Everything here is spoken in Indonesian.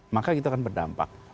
maka itu akan berdampak